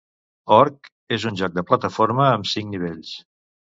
"Ork" és un joc de plataforma amb cinc nivells.